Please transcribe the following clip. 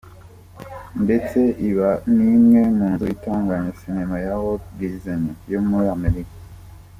ndetse iba n’imwe mu nzu itunganya cinema ya “Walt Disney” yo muri Amerika